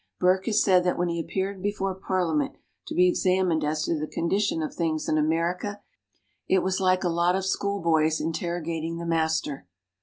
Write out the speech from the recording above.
Burke has said that when he appeared before Parliament to be examined as to the condition of things in America, it was like a lot of schoolboys interrogating the master.